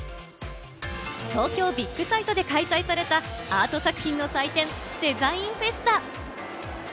東京ビッグサイトで開催された、アート作品の祭典・デザインフェスタ。